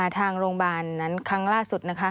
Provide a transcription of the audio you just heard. ทางโรงพยาบาลนั้นครั้งล่าสุด